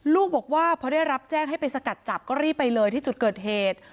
ลูกบอกว่าพอได้รับแจ้งให้ไปสกัดจับก็รีบไปเลยที่จุดเกิดเหตุ